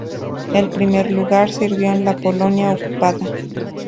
En primer lugar, sirvió en la Polonia ocupada.